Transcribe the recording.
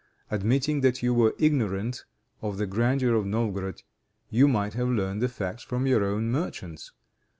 Admitting that you were ignorant of the grandeur of Novgorod, you might have learned the facts from your own merchants.